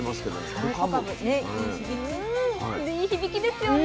うんいい響きですよね。